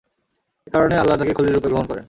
এ কারণেই আল্লাহ তাঁকে খলীল রূপে গ্রহণ করেন।